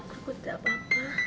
aku tidak apa apa